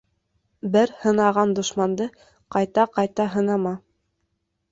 Бер һынаған дошманды ҡайта-ҡайта һынама.